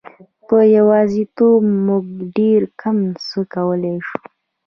په یوازیتوب موږ ډېر کم څه کولای شو.